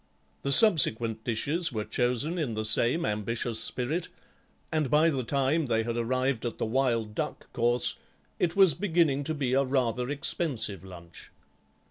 The subsequent dishes were chosen in the same ambitious spirit, and by the time they had arrived at the wild duck course it was beginning to be a rather expensive lunch.